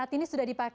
saat ini sudah dipakai